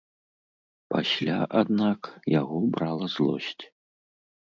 Пасля, аднак, яго брала злосць.